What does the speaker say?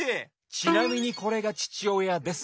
ちなみにこれがちちおやです。